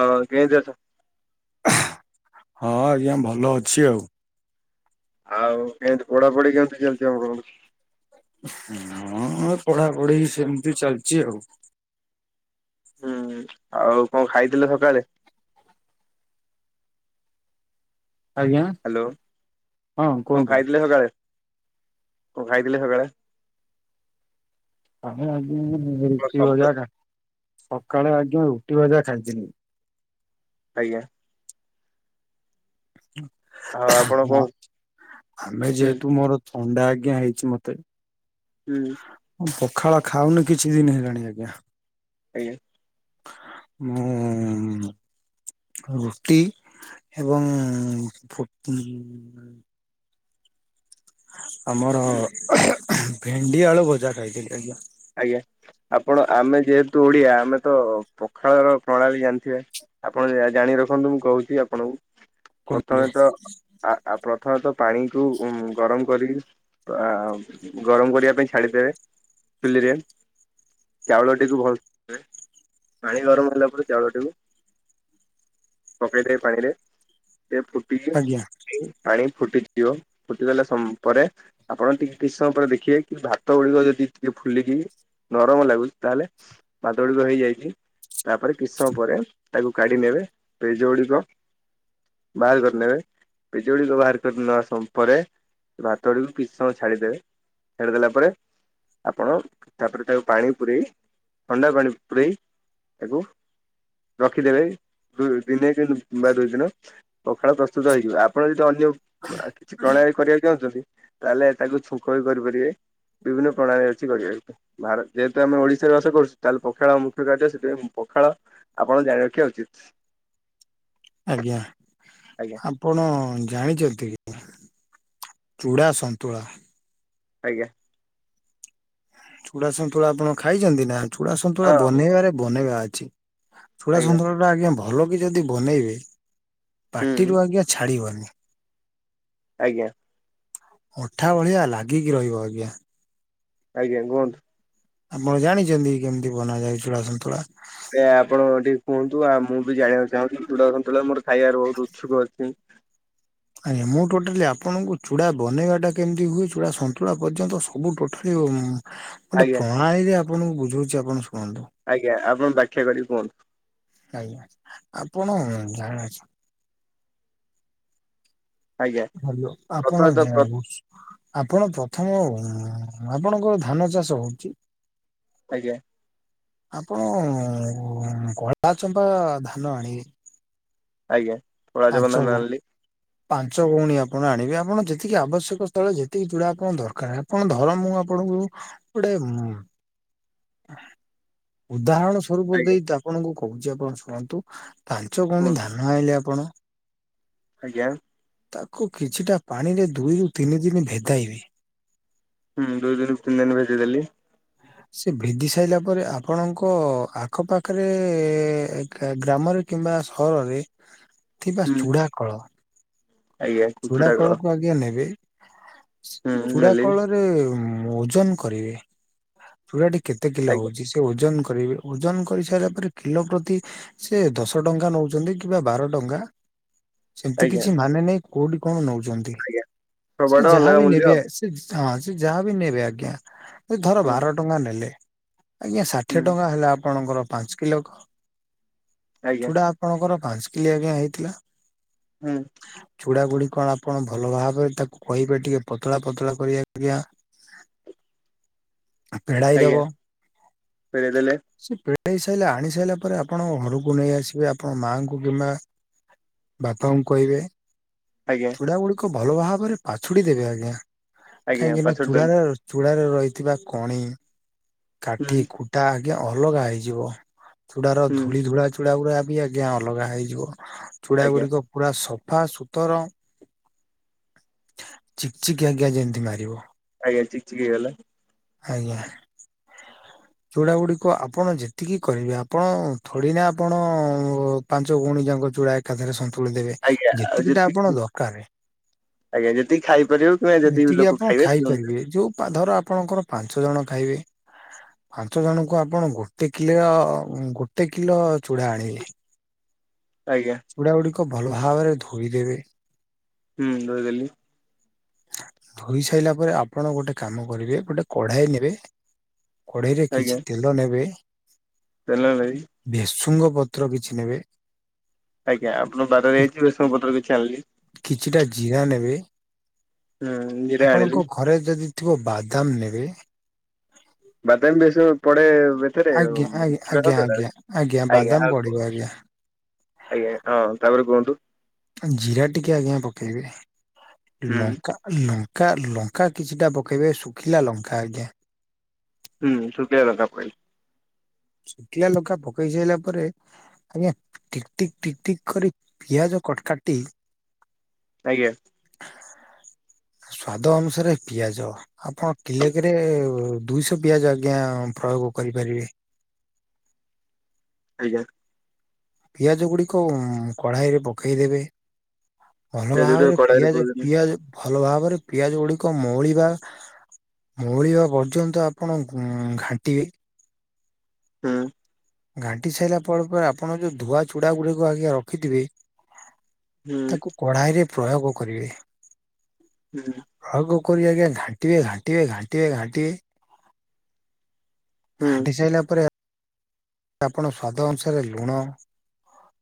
ହଁ କେମିତି ଅଛ? ହଁ ଆଜ୍ଞା ଭଲ ଅଛି ଆଉ- ଆଉ କେମିତି ପଢ଼ାପଢ଼ି କେମିତି ଚାଲିଛି [unintelligible] ହଁ ପଢ଼ାପଢ଼ି ସେମିତି ଚାଲିଛି ଆଉ। ହୁଁ ହୁଁ ଆଉ କଣ ଖାଇଥିଲେ ସକାଳେ? ଆଜ୍ଞା ହ୍ୟାଲୋ ହଁ କଣ କୁହନ୍ତୁ। ଖାଇଥିଲେ ସକାଳେ କଣ ଖାଇଥିଲେ ସକାଳେ ଆମେ ଆଜ୍ଞା ଆପଣଙ୍କ ଶବ୍ଦ [unintelligible] ସକାଳେ ଆଜ୍ଞା [unintelligible] ଭଜା ଖାଇଥିଲି। ଆଜ୍ଞା ଆଉ ଆପଣ କଣ ଆମେ ହୁଁ ଯେହେତୁ ମୋର ଅଣ୍ଡା ଆଜ୍ଞା ହେଇଛି ମତେ ହୁଁ। ପଖାଳ ଖାଉନି କିଛି ଦିନ ହେଲାଣି ଆଜ୍ଞା। [unintelligible] ମୁଁ ରୁଟି ଏବଂ [unintelligible] ଆମର ହୁଁ ଭେଣ୍ଡି ଆଳୁ ଭଜା ଖାଇଥିଲି ଆଜ୍ଞା ଆଜ୍ଞା ଆପଣ ଆମେ ଯେହେତୁ ଓଡ଼ିଆ ଆମେ ତ ପଖାଳର ପ୍ରଣାଳୀ ଜାଣିଥିବେ ଆପଣ ଜାଣି ରଖନ୍ତୁ ମୁଁ କହୁଛି ଆପଣଙ୍କୁ କୁହନ୍ତୁ ପ୍ରଥମେ ତ ଆ ଆ ପ୍ରଥମେ ତ ପାଣିକୁୁ ଗରମ କରିକି ଆ ଗରମ କରିବା ପାଇଁ ଛାଡିଦେବେ ଫୁଲିରେ ଚାଉଳଟିକୁ ଭଲେ ପାଣି ଗରମ ହେଲା ପରେ ଚାଉଳଟିକୁ ପକାଇଦବେ ପାଣିରେ ସେ ଫୁଟି ଆଜ୍ଞା ଫୁଟି ପାଣି ଫୁଟିଯିବ ଫୁଟିଗଲା ପରେ ଆପଣ ଟିକେ କିଛି ସମୟ ପରେ ଦେଖିବେ କି ଭାତ ଗୁଡ଼ିକ ଯଦି ଟିକେ ଫୁଲିକି ନରମ ଲାଗୁଛି ତାହେଲେ ଭାତ ଗୁଡ଼ିକ ହେଇଯାଇଛି। ତାପରେ କିଛି ସମୟ ପରେ ତାକୁ କାଢ଼ି ନେବେ ପେଜ ଗୁଡ଼ିକ ବାହାର କରିନେବେ ପେଜ ଗୁଡ଼ିକ ବାହାର କରିନବା ପରେ ଭାତ ଗୁଡି଼କୁ କିଛି ସମୟ ଛାଡିଦେବେ ଛାଡିଦେଲା ପରେ ଆପଣ ତାପରେ ତାକୁ ପାଣି ପୁରେଇ ଥଣ୍ଡା ପାଣି ପୁରେଇ ତାକୁ ରଖିଦେବେ ଦୁଇ ଦିନେ [unintelligible] ପଖାଳ ପ୍ରସ୍ତୁତ ହେଇଯିବ ଆପଣ ଯଦି ଅନ୍ୟ ଆଉ କିଛି ପ୍ରଳୟ କରିବାକୁ ଚାହୁଁଛନ୍ତି। ତା ହେଲେ ତାକୁ ଛୁଙ୍କ ବି କରିପାରିବେ ବିଭିନ୍ନ ପ୍ରଣାଳୀ କି କରିବା ଭାର ଯେହେତୁ ଆମେ ଓଡ଼ିଶା ରେ ବାସ କରୁଛୁ ତାହେଲେ ପଖାଳ ମୁଖ୍ୟ କାର୍ଯ୍ୟ ସେଥିପାଇଁ ପଖାଳ ଆପଣ ଜାଣି ରଖିବା ଉଚିତ୍ ଆଜ୍ଞା। ଆପଣ ଜାଣିଛନ୍ତି କି ଚୁଡ଼ା ସନ୍ତୁଳା ଆଜ୍ଞା ଚୁଡା ଶନ୍ତୁଳା ଆପଣ ଖାଇଛନ୍ତି ନା? ଚୁଡା ସନ୍ତୁଳା ହଁ ବନେଇବାରେ ବନେଇବା ଅ ଛି। ଚୁଡା ଆଜ୍ଞା ସନ୍ତୁଳାଟା ଆଜ୍ଞା ବ ଭଲ କି ଯଦି ବନେଇବେ। ହୁଁ ପାଟିରୁୁ ଆଜ୍ଞା ଛାଡିବନି। [inaudible] ଆଜ୍ଞା। ଅଠା ଭଳିଆ ଲାଗିକି ରହିବ ଆଜ୍ଞା। ଆଜ୍ଞା କୁହନ୍ତୁ। ଆପଣ ଜାଣିଛନ୍ତି କେମିତି ବନା ଯାଉ ଚୂଡ଼ା ସନ୍ତୁଳା। ଏ ଆପଣ ଟିକେ କୁହନ୍ତୁ ଆଉ ମୁଁ ବି ଜାଣିବାକୁ ଚାହୁଁଛିି ଚୂଡ଼ା ସନ୍ତୁଳା ମୋର ଖାଇବାର ବହୁତ ଉତ୍ସୁକ ଅଛି। ଆଜ୍ଞା ମୁଁ ଟୋଟାଲି ଆପଣଙ୍କୁ ଚୁଡ଼ା ବନେଇବାଟା କେମିତି ହୁଏ ଚୂଡ଼ା ସନ୍ତୁଳା ପର୍ଯ୍ୟନ୍ତ ସବୁ ଟୋଟାଲି। ଗୋଟେ ଆଜ୍ଞା ପ୍ରଣାଳୀରେ ଆପଣଙ୍କୁ ବୁଝଉଛି। [unintelligible] ଆଜ୍ଞା ଆପଣ ବ୍ୟାଖ୍ୟା କରିକି କୁହନ୍ତୁ। ଆଜ୍ଞା ଆପଣ ଜାଣିଛ। ଆଜ୍ଞା ହ୍ୟାଲୋ ଆପଣ ପ୍ରଥମେ ତ ଆପଣ ପ୍ରଥମ ହଁ ଆପଣଙ୍କର ଧାନ ଚାଷ ହଉଛି। ଆଜ୍ଞା। ଆପଣ କଳା ଚମ୍ପା ଧାନ ଆଣିବେ। ଆଜ୍ଞା। ପଳାଜ ପାଞ୍ଚ ବନ୍ଧା କଉ ନାଲି ପାଞ୍ଚ ଗଉଣୀ ଆପଣ ଆଣିବେ ଆଉ। ଆପଣ ଯେତିକି ଆବଶ୍ୟକ ସ୍ଥଳେ ଯେତିକି ଚୂଡା ଆପଣ ଦରକାର ଆପଣ ଧର ମୁ ଆପଣଙ୍କୁ ଗୋଟେ ଉଦାହରଣ ସ୍ଵରୂପ ଆଜ୍ଞା ଦେଇ ଆପଣଙ୍କୁ କହୁଛି ଆପଣ ଶୁଣନ୍ତୁ। ପାାଞ୍ଚ ଗଉଣୀ କୁହନ୍ତୁ ଧାନ ଆଇଲେ ଆପଣ ଆଜ୍ଞା। କୁ କିଛିଟା ପାଣିରେ ଦୁଇରୁ ତିନି ଦିନ ଭେଦାଇବେ। ହୁଁ ଦୁଇ ଦିନ ତିନି ଦିନ ଭିଦେଇଦେଲି। ସେ ଭେଦି ସାରିଲା ପରେ ଆପଣଙ୍କ ଆଖପାଖରେ ଗ୍ରାମରେ କିମ୍ବା ସହରରେ ଥିବା ହୁଁ ଚୂଡ଼ା କଳ। ଆଜ୍ଞା ଚୂଡ଼ା କୁଚୁଡା କ କଳକୁ ଆଜ୍ଞା ନେବେ। ହୁଁ ଚୁଡ଼ା ନେଲି କଳରେ ଉଁ ଓଜନ କରିବେ ପୁରା ଟିକେ। କେତେ କିଲୋ ଆଜ୍ଞା ହଉଛି ସେ ଓଜନ। ଓଜନ କରିସାରିଲା ପରେ କିଲୋ ପ୍ରତି ସେ ଦଶ ଟଙ୍କା ନଉଛନ୍ତି କିମ୍ବା ବାର ଟଙ୍କା। ସେମତି ଆଜ୍ଞା କିଛି ମାନେ ନାଇଁ। କୋଉଠି କଣ ନଉଛି। ଆଜ୍ଞା ସେ ସବୁଆଡେ ଯାହା ଅଲଗା ବି ମୂଲ୍ୟ ନେବେ ସେ- ହଁ ସେ ଯାହା ବି ନେବେ ଆଜ୍ଞା। ଧର ହୁଁ ବାର ଟଙ୍କା ନେଲେ। ଆଜ୍ଞା ଷାଠିଏ ହୁଁ ଟଙ୍କା ହେଲା। ଆପଣଙ୍କର ପାଞ୍ଚ କିଲୋ ଖ ଆଜ୍ଞା ଚୁଡା ଆପଣଙ୍କର ପାଞ୍ଚ କିଲ୍ ଆଜ୍ଞା ହେଇଥିଲା। ହୁଁ। ବୁଢା ବୁଢି କଣ ଆପଣ ଭଲ ଭାବରେ ତାକୁ କହିବେ ଟିକେ ପତଳା ପତଳା କରି ଆଜ୍ଞା। ଆ ପେଡାଇ ଆଜ୍ଞା ଦବ। ଫେରେଇ ଦେଲେ ସେ ପେ ପେଡେଇ ସାଇଲେ ଆଣି ସାଇଲା ପରେ ଆପଣ ଘରକୁ ନେଇ ଆସିବେ ଆପଣ ମାଙ୍କୁ କିମ୍ବା ବାପାଙ୍କୁ କହିବେ। ଆଜ୍ଞା ଚୁଡା ମଳୁଖ ଭଲ ଭାବରେ ପାଛୁଡି ଦେବେ ଆଜ୍ଞା। ଆଜ୍ଞା କାହିଁକିନା ପାଛୋଟି ଦେଲେ ଚୁଡ଼ାର ର ଚ ଚୂଡ଼ାରେ ରହିଥିବା କଣି। କାଠି ହୁଁ ଖୂଟା ଆଜ୍ଞା ଅଲଗା ହେଇଯିବ। ଚୁଡାର ହୁଁ ଧୂଳି ଧୂଳା ଚୁଡ଼ା ଗୁରା ବି ଆଜ୍ଞା ଅଲଗା ହେଇଯିବ। ଚୁଡା ଆଜ୍ଞା ଗୁଡିକ ପୁରା ସପ୍ ସଫା ସୁତର ଚିକ୍ ଚିକ୍ ଆଜ୍ଞା ଯେମିତି ମାରିବ। ଆଜ୍ଞା ଚିକ୍ ଚିିକ୍ ହେଇଗଲା। ଆଜ୍ଞା। ଚୁଡା ଗୁଡିକ ଆପଣ ଯେତିକି କରିବେ ଆପଣ ଥୋଡିନା ଆପଣଅ ପାଞ୍ଚ ଗଉଣି ଯାକ ଚୁଡ଼ା ଏକାଥରେ ସନ୍ ତୁଳି ଦେବେ ଆଜ୍ଞା ଆଉ ଯେତିକି ଟା ଆପଣ ଦରକାରେ ଆଜ୍ଞା ଯେତିକି ଖାଇପାରିବ କିମ୍ବା ଯେତିକି ଲୋକ ଆପଣ ଖାଇବେ ସେ ଅନୁସାରେ ଖାଇପାରିବେ ଯୋଉ ପା ଧର ଆପଣଙ୍କର ପାଞ୍ଚ ଜଣ ଖାଇବେ। ପାଞ୍ଚ ଜଣଙ୍କୁ ଆପଣ ଗୋଟେ କିଲିୟ ଗୋଟେ କିଲୋ। ଚୁଡ଼ା ଆଣିଲେ। ଆଜ୍ଞା। [unintelligible] ଭଲ୍ ଭାବରେ ଧୋଇଦେବେ। ହୁଁ ଧୋଇଦେଲି। ଧୋଇ ସାରିଲା ପରେ ଆପଣ ଗୋଟେ କାମ କରିବେ ଗୋଟେ କଢାଇ ନେବେ କଡେଇରେ ଆଜ୍ଞା କିଛି ତେଲ ନେବେ। ତେଲ ଦେବି। ଶୃଙ୍ଗପତ୍ର କିଛି ନେବେ। ଆଜ୍ଞା ଆପଣଙ୍କ ବାରରେ କି- ହେଇଚି ଭେଶୃଙ୍ଗ ପତ୍ର କିଛି ଆଣିଲି। କିଛିଟା ଜିରା ନେବେ ହୁଁ ଜିରା ଆଣିଲି ଆପଣଙ୍କ ଘରେ ଯଦି ଥିବ ବାଦାମ ନେବେ। [unintelligible] ବାଦାମ ବେଶୀ ପଡେ ଆଉ ଏଥେରେ ଆଜ୍ଞା ଆଜ୍ଞା ଚୁଡ଼ା ଆଜ୍ଞା ସନ୍ତୁଳାରେ ଆଜ୍ଞା ଆଜ୍ଞା ବାଦାମ ଆଉ ପଡିବ କୁହ ଆଜ୍ଞା ଆଜ୍ଞା ହଁ ତାପରେ କୁହନ୍ତୁ। ଜିରା ଟିକେ ଆଜ୍ଞା ପକେଇବେ। ହୁଁ ଲଙ୍କା ଲ ଲଙ୍କା ଲଙ୍କା କିଛିଟା ପକେଇବେ ଶୁଖିଲା ଲଙ୍କା ଆଜ୍ଞା। ହୁଁ ଶୁଖିଲା ଲଙ୍କା ପଇଲା। ଶୁଖିଲା ଲଙ୍କା ପକେଇ ସାଇଲା ପରେ ଆଜ୍ଞା ଟିକ୍ ଟିକ୍ ଟିକ୍ ଟିକ୍ କରି ପିଆଜ କଟ କାଟି ଆଜ୍ଞା। ସ୍ଵାଦ ଅନୁସାରେ ପିଆଜ ଆପଣ କିଲେକେରେ ଦୁଇଶହ ପିଆଜ ଆଜ୍ଞା ପ୍ରୟୋଗ କରିପାରିବେ। ଆଜ୍ଞା। ପିଆଜ ଗୁଡିକ କଢାଇରେ ପକେଇଦେବେ ଭଲ ପିଆଜ ଟିକେ ଭାବରେ କଡେଇରେ ପିଆଜ ପକେଇଲି ହୁଁ। ପିଆଜ ଭଲ ଭାବରେ ପିଆଜ ଗୁଡିକ ମଉଳିବା ମଉଳିବା ପର୍ଯ୍ୟନ୍ତ ଆପଣ ଘାଣ୍ଟିବେ। ହୁଁ। ଘାଣ୍ଟି ସାଇଲା ପରେ ପରେ ଆପଣ ଯୋଉ ଧୁଆ ଚୁଡା ଗୁଡିକୁ ଆଜ୍ଞା ରଖିଥିବେ ହୁଁ ତାକୁ କଢାଇରେ ପ୍ରୟୋଗ କରିବେ। ହୁଁ। ଆଗ କରି ଆଜ୍ଞା ଘାଣ୍ଟିବେ ଘାଣ୍ଟିବେ ଘାଣ୍ଟିବେ ଘାଣ୍ଟିବେ ହୁଁ ଘାଣ୍ଟି ସାଇଲା ପରେ ଆପଣ ସ୍ୱାଦ ଅନୁସାରେ ଲୁଣ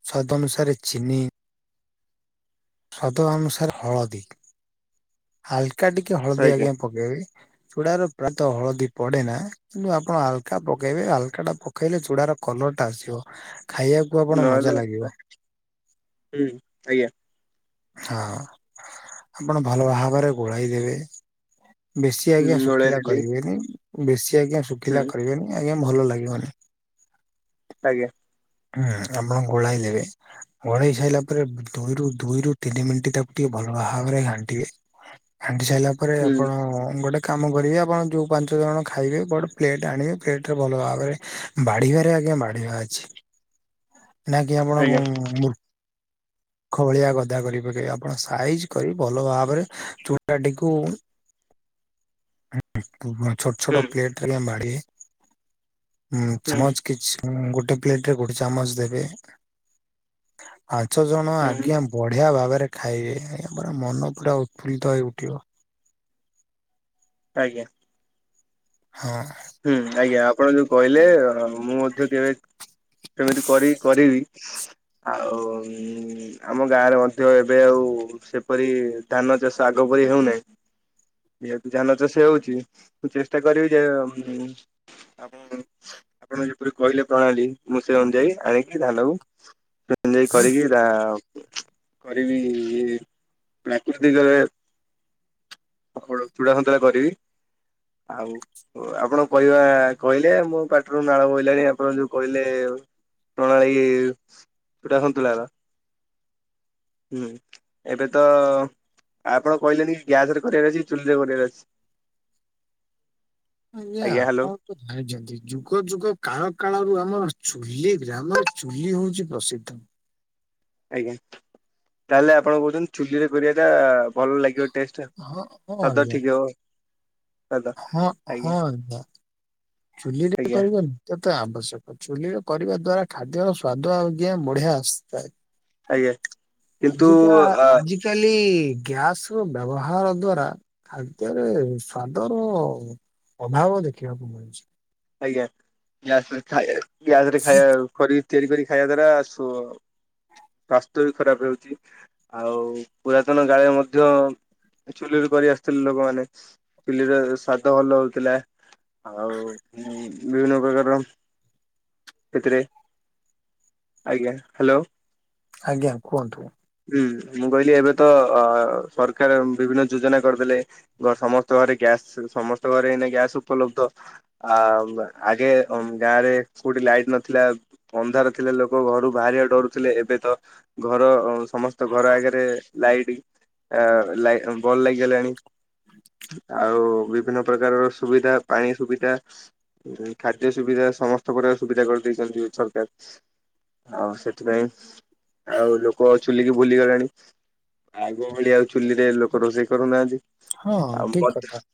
ସ୍ୱାଦ ଅନୁସାରେ ଚିନି ସ୍ୱାଦ ଅନୁସାରେ ହଳଦୀ ହାଲ୍ କା ଟିକେ ହଳଦୀ ଆଜ୍ଞା ପକେଇବେ ଚୁଡାର ପ୍ରାୟତଃ ହଳଦୀ ପଡେନା କିନ୍ତୁ ଆପଣ ହାଲକା ପକେଇବେ ହାଲକା ଟା ପକେଇଲେ ଚ ଚୁଡାର କଲର ଟା ଆସିବ। ଆପଣ ମଜା ନହେଲେ ଲାଗିବ ହୁଁ ଆଜ୍ଞା। ହଁ ଆପଣ ଭଲ ଭାବରେ ଗୋଳାଇ ଦେବେ ବେଶୀ ହୁଁ ଆଜ୍ଞା ଗୋଳେଇ ଶୁଖିଲା ନେଲି କରିବେନି ବେଶୀ ଆଜ୍ଞା ହୁଁ ଶୁଖିଲା କରିବେନି ଆଜ୍ଞା ଭଲ ଲାଗିବନି। ଆଜ୍ଞା। ହୁଁ ଆପଣ ଗୋଳେଇ ଦେବେ ଗୋଳେଇ ସାରିଲା ପରେ ଦୁଇରୁ ଦୁଇରୁ ତିନି ମିନିଟ ତାକୁ ଟିକେ ଭଲ ଭାବରେ ଘାଣ୍ଟିବେ ଘାଣ୍ଟି ସାଇଲା ପରେ ହୁଁ ଆପଣ ଗୋଟେ କାମ କରିବେ ଆପଣ ଯୋଉ ପାଞ୍ଚ ଜଣ ଖାଇବେ ବଡ ପ୍ଲେଟ୍ ଆଣିବେ ପ୍ଲେଟରେ ଭଲ ଭାବରେ ବାଢିବାରେ ଆଜ୍ଞା ବାଢିବା ଅଛି। ନା କିି ଆମର ଆଜ୍ଞା ମୁ ମୂର୍ଖ ଭଳିଆ ଗଦା କରି ପକେଇବେ ଆପଣ ସାଇଜ କରି ଭଲ ଭାବରେ ଚୁଡ଼ାଟିକୁ ହୁଁ ଛୋଟଛୋଟ ପ୍ଲେଟ୍ ରେ ବାଢିବେ। ହୁଁ ହୁଁଜ କିଛି ହଁ ଗୋଟେ ପ୍ଲେଟରେ ଗୋଟେ ଚାମଚ ଦେବେ ଆ ଜଣ ହୁଁ ଆଜ୍ଞା ବଢିଆ ଭାବରେ ଖାଇବେ ମନ ପୁରା ଉତ୍ଫୁଲ୍ଲିତ ହେଇ ଉଠିବ। ଆଜ୍ଞା। ହଁ। ହୁଁ ଆଜ୍ଞା ଆପଣ ଯୋଉ କହିଲେ ମୁଁ ବେ ସେମିତି କରି କରିବି ଆଉ ଆମ ଗାଁରେ ମଧ୍ୟ ଏବେ ଆଉ ସେପରି ଧାନ ଚାଷ ଆଗ ପରି ହେଉନାହିଁ ଯେହେତୁ ଧାନ ଚାଷ ହେଉଛି ମୁଁ ଚେଷ୍ଟା କରିବି ଯେ ହୁଁ ଆପଣ ଆପଣ ଯେପରି କହିଲେ ପ୍ରଣାଳୀ ମୁଁ ସେ ଅନୁଯାୟୀ ଆଣିକି ଧାନକୁ ଏଞଜାଇ କରିକି ତା କରିବି ଇଏ ପ୍ରାକୃତିକରେ ଚୂଡ଼ା ସନ୍ତରା କରିବି ଆଉ ଓ ଆପଣ କହିବା କହିଲେ ମୋ ପାଟିରୁ ନାଳ ବୋଇଲାଣି ଆପଣ ଯୋଉ କହିଲେ ପ୍ରଣାଳୀ ଛୁଟା ସନ୍ତୁଳାର ହୁଁ ଏବେ ତ ଆପଣ କହିଲେନି କି ଗ୍ୟାସ ରେ କରିବାର ଅଛି। ଚୁଲିରେ କରିବାର ଅଛି। ଆଜ୍ଞା ଆପଣ ତ ଜାଣିଛନ୍ତି ଯୁଗ ଯୁଗ କାଳ କାଳରୁ ଆମ ଚୁଲି ଗ୍ରାମରେ ଚୁଲି ହଉଛି ପ୍ରସିଦ୍ଧ ଆଜ୍ଞା ତାହେଲେ ଆପଣ କହୁଛନ୍ତି ଚୁଲିରେ କରିବା ଟା ଭଲ ଲାଗିବ ଟେଷ୍ଟ ହଁ ହଁ ସଵାଦ ଆଜ୍ଞା ଠିକ ହବ। ସ୍ୱାଦ ହଁ ଆଜ୍ଞା ହଁ ଚୁଲିରେ ଆଜ୍ଞା କରିବା ନିିତ୍ୟ ତ ଆବଶ୍ୟକ ଚୁଲିରେ କରିବା ଦ୍ଵାରା ଖାଦ୍ୟ ସ୍ଵାଦ ଆଜ୍ଞା ବଢିଆ ଆସିଥାଏ। ଆଜ୍ଞା କିନ୍ତୁ ଆଜିିକା ଅ ଆଜିିକାଲି ଗ୍ୟାସ ର ବ୍ୟବହାର ଦ୍ଵାରା ଖାଦ୍ୟରେ ସ୍ଵାଦର ଅଭାବ ଦେଖିବାକୁ ମିଳୁଛି। ଆଜ୍ଞା ଗାୟସ ର ଗ୍ୟାସ ରେ ଖାଇବା ଖରି ତିଆରି କରି ଖାଇବା ଦ୍ଵାରା ସ୍ୱାସ୍ଥ୍ୟ ବି ଖରାପ ହେଉଛି। ଆଉ ପୁରାତନ କାଳେ ମଧ୍ୟ ଚୁଲିରେ କରି ଆସୁଥିଲେ ଲୋକମାନେ ଚୁଲିରେ ସ୍ଵାଦ ଭଲହେଉଥିଲା ହଉଥିଲା। ହେଲୋ ବିଭିନ୍ନ ପ୍ରକାର ସେଥିରେ ଆଜ୍ଞା ହ୍ୟାଲୋ ଆଜ୍ଞା କୁହନ୍ତୁ ହୁଁ ମୁଁ କହିଲି ଏବେ ତ ଅ ସରକାର ବିଭିନ୍ନ ଯୋଜନା କରିଦେଲେ ସମସ୍ତ ଘରେ ଗ୍ୟାସ୍ ସମସ୍ତ ଘରେ ଏଇନା ଗ୍ୟାସ୍ ଉପଲବ୍ଧ ଆ ଆଗେ ଗାଁରେ କୋଉଠି ଲାଇଟ ନଥିଲା ଅନ୍ଧାର ଥିଲେ ଲୋକ ଘରୁ ବାହାରିବା ଡରୁଥିଲେ ଏବେ ତ ଘର ସମସ୍ତ ଘର ଆଗରେ ଲାଇଟ୍ ଆ ଲାଇଟ୍ ବଲ ଲାଗି ଗଲାଣି ଆଉ ବିଭିନ୍ନ ପ୍ରକାରର ସୁବିଧା ପାଣି ସୁବିଧା ଖାଦ୍ୟ ସୁବିଧା ସମସ୍ତ ପ୍ରକାର ସୁବିଧା କରିଦେଇଛନ୍ତି ସରକାର ଆଉ ସେଥିପାଇଁ ଆଉ ଲୋକ ଚୁଲି କି ଭୁଲିଗଲାଣି ଆଗ ଭଳି ଆଉ ଚୁଲିରେ ଲୋକ ରୋଷେଇ କରୁନାହାନ୍ତି ହଁ ଆଉ ଠିକ ମଧ୍ୟ କଥା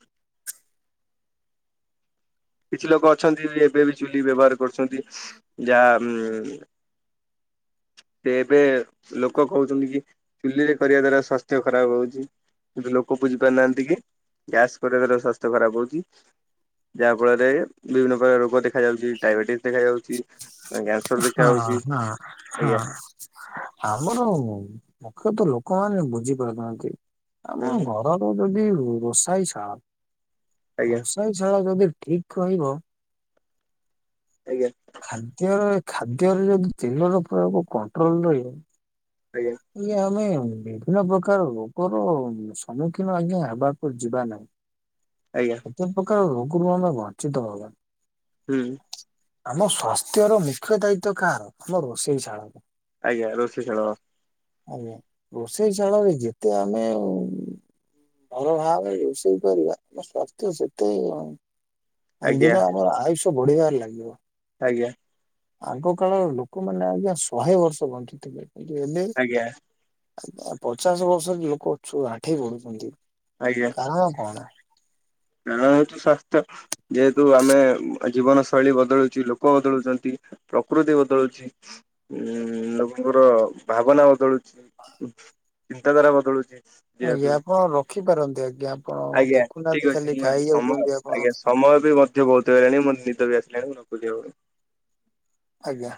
କିଛି ଲୋକ ଅଛନ୍ତି ବି ଏବେ ବି ଚୁଲି ବ୍ୟବହାର କରୁଛନ୍ତି ଯାହା ଉ ସେ ଏବେ ଲୋକ କହୁଛନ୍ତି କି ଚୁଲିରେ କରିବା ଦ୍ଵାରା ସ୍ଵାସ୍ଥ୍ୟ ଖରାପ ହଉଛି କିନ୍ତୁ ଲୋକ ବୁଝି ପାରୁନାହାନ୍ତି କି ଗ୍ୟାସ କରିବା ଦ୍ଵାରା ସ୍ୱାସ୍ଥ୍ୟ ଖରାପ ହଉଛି ଯାହା ଫଳରେ ବିଭିନ୍ନ ପ୍ରକାର ରୋଗ ଦେ - ଦେଖାଯାଉଛି ଡାଇବେଟିସ୍ ଦେଖାଯାଉଛି କ୍ୟାନସର ଦେଖା ହଁ ଦଉଛି ହଁ ହଁ ଆମର ମୁଖ୍ୟତଃ ଲୋକମାନେ ବୁଝି ପାରୁନାହାନ୍ତି ଆମ ହୁଁ ଘରର ଯଦି ରୋଷାଇ ଶାଳ ଆଜ୍ଞା ରୋଷାଇ ଶାଳ ଯଦି ଠିକ୍ କହିବ ଆଜ୍ଞା। ଖାଦ୍ୟର ଖାଦ୍ୟରେ ଯଦି ତେଲର ପ୍ରୟୋଗ କଣ୍ଟ୍ରୋଲ ରହିବ। ଆଜ୍ଞା ଇଏ ଆମେ ବିଭିନ୍ନ ପ୍ରକାର ରୋଗର ସମ୍ମୁଖୀନ ଆଜ୍ଞା ହେବାକୁ ଯିବା ନାହିଁ। ଆଜ୍ଞା କେତେ ପକା ହବ। [unintelligible] ବଞ୍ଚି ତ ଭବା। ହୁଁ। ଆମ ସ୍ଵାସ୍ଥ୍ୟର ମୁଖ୍ୟ ଦାୟିତ୍ୱ କାହାର ଆମ ରୋଷେଇ ଶାଳର। ଆଜ୍ଞା ରୋଷେଇ ଶାଳ। ଆଜ୍ଞା ରୋଷେଇ ଶାଳରେ ଯେତେ ଆମେ ଭଲ ଭାବରେ ରୋଷେଇ କରିବା। ମୋ ସ୍ୱାସ୍ଥ୍ୟ ସେତେ ଇଁ [unintelligible] ଆଜ୍ଞା ଅନ୍ଦିର ଆମର ଆୟୁଷ୍ ବଢିଆ ଲାଗିବ। ଆଜ୍ଞା। ଆଗ କାଳ ଲୋକମାନେ ଆଜ୍ଞା ଶହେ ବର୍ଷ ବଞ୍ଚୁଥିଲେ ୟେ ଲେ ଆଜ୍ଞା ଆଜ୍ଞା ପଚାଶ ବର୍ଷ ଲୋକୁ ଆଣ୍ଠେଇ ପଢୁଛନ୍ତି। ଆଜ୍ଞା [inaudible] କାରଣ ହଉଛି ସ୍ୱାସ୍ଥ୍ୟ ଯେହେତୁ ଆମେ ଜୀବନ ଶୈଳୀ ବଦଳୁଚି ଲୋକ ବଦଳୁଛନ୍ତି ପ୍ରକୃତି ବଦଳୁଛି ଉ ଲୋକଙ୍କର ଭାବନା ବଦଳୁଛି। ହୁ ଚିନ୍ତା ଧାରା ବଦଳୁଛି। ଯେହେତୁ ଆଜ୍ଞା ଆପଣ ରଖିପାରନ୍ତି ଆଜ୍ଞା ଆପଣ ଆଜ୍ଞା ଦେଖୁନାହାନ୍ତି ଠିକ ଅଛି ଖାଲି ଗାଇ ସମୟ ଯାଉଛନ୍ତି ଆପଣ ଆଜ୍ଞା ସମୟ ବି ମଧ୍ୟ ବଦଳିଲାଣି ମୋ ନିଦ ବି ଆସିଲାଣି ମୁଁ ରଖୁ। [unintelligible] ଆଜ୍ଞା।